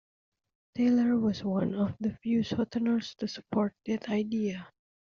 Taylor was one of the few Southerners to support that idea.